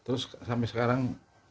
terus sampai sekarang